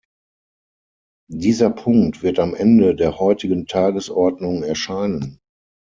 Dieser Punkt wird am Ende der heutigen Tagesordnung erscheinen.